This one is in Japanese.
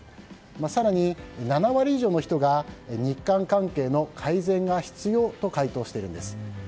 更に、７割以上の人が日韓関係の改善が必要と回答しているんです。